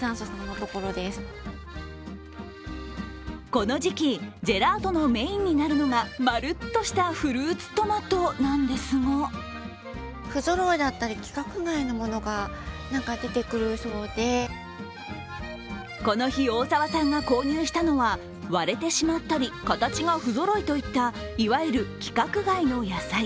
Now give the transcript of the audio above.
この時期、ジェラートのメインになるのが丸っとしたフルーツトマトなんですがこの日、大澤さんが購入したのは割れてしまったり形がふぞろいといったいわゆる規格外の野菜。